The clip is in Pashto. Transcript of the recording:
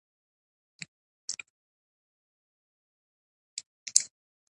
کارمل هڅه وکړه، ایران د افغانستان پر ضد نه عمل وکړي.